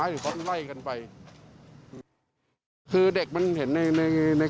กลุ่มนั้นไปหยุดคนตรงจุดนั้นใช่